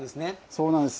そうなんです。